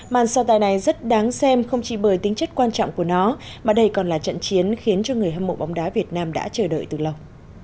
màn so tài này rất đáng xem không chỉ bởi tính chất quan trọng của nó mà đây còn là trận chiến khiến cho người hâm mộ bóng đá việt nam đã chờ đợi từ lâu